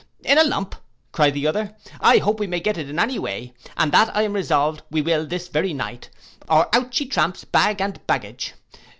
'—'In a lump!' cried the other, 'I hope we may get it any way; and that I am resolved we will this very night, or out she tramps, bag and baggage.